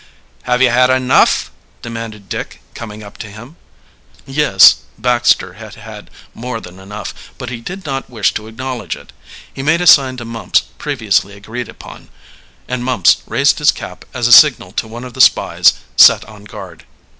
"Have you had enough?" demanded Dick, coming up to him. Yes Baxter had had more than enough; but he did not wish to acknowledge it. He made a sign to Mumps previously agreed upon, and Mumps raised his cap as a signal to one of the spies set on guard.